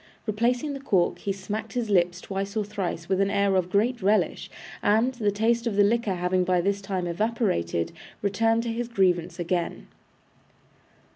Replacing the cork, he smacked his lips twice or thrice with an air of great relish, and, the taste of the liquor having by this time evaporated, recurred to his grievance again.